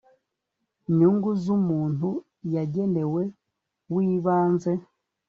nyungu z umuntu yagenewe w ibanze